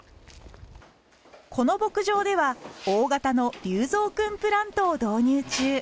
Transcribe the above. この牧場では大型の粒造くんプラントを導入中。